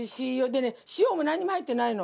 でね塩もなんにも入ってないの。